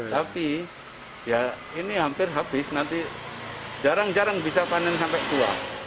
tapi ya ini hampir habis nanti jarang jarang bisa panen sampai tua